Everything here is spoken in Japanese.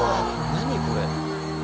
何これ？